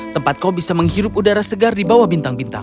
tempat kau bisa menghirup udara segar di bawah bintang bintang